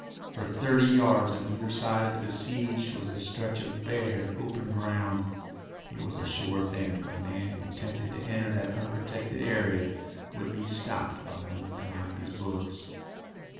For thirty yards on either side of the besieged was a stretch of bare, open ground. It was a sure thing that the man who attempted to enter that unprotected area would be stopped by one of Calliope's bullets.